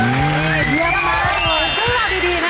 เยี่ยมมาก